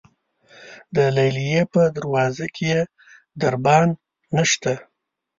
د لیلې په دروازه کې دربان نشته.